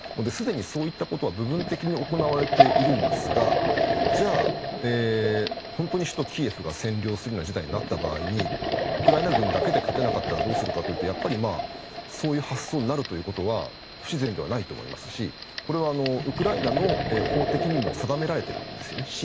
すでにそういったことは部分的に行われているんですがじゃあ、本当に首都キエフが占領される事態になった場合にウクライナ軍だけで勝てなかったらどうするかというとそういう発想になるというのは不自然ではないと思いますしウクライナの法的にも定められているんですよね。